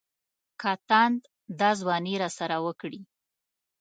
که تاند دا ځواني راسره وکړي.